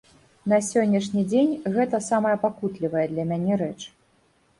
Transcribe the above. На сённяшні дзень гэта самая пакутлівая для мяне рэч.